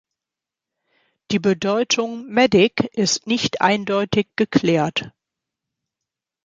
Die Bedeutung "medic" ist nicht eindeutig geklärt.